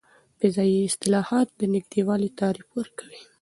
فضايي اصطلاحات د نږدې والي تعریف ورکوي.